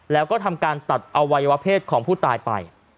แล้วก็ทำการตัดอวัยวะเพศของผู้ตายไป